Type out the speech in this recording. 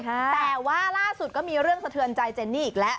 แต่ว่าล่าสุดก็มีเรื่องสะเทือนใจเจนนี่อีกแล้ว